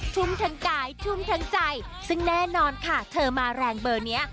ทุ่มทั้งกายชุ่มทั้งใจซึ่งแน่นอนค่ะเธอมาแรงเบอร์นี้